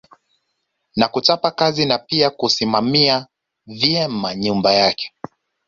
Na kuchapa kazi na pia kusimamia vyema nyumba yake